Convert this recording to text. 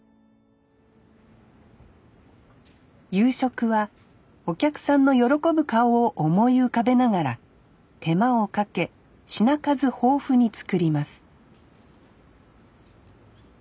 夕食はお客さんの喜ぶ顔を思い浮かべながら手間をかけ品数豊富に作ります